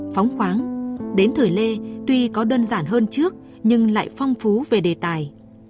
phóng khoáng đến thời lê tuy có đơn giản hơn trước nhưng lại phong phú về đề tài